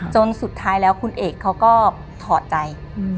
จนสุดท้ายแล้วคุณเอกเขาก็ถอดใจ